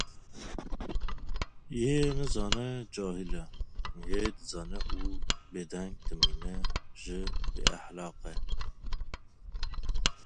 Yê nizane, cahil e; yê dizane û bêdeng dimîne jî bêexlaq e.